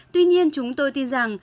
tuy nhiên chúng tôi tin rằng